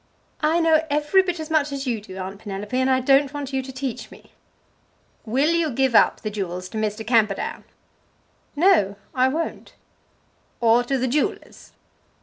"I know every bit as much as you do, Aunt Penelope, and I don't want you to teach me." "Will you give up the jewels to Mr. Camperdown?" "No I won't." "Or to the jewellers?"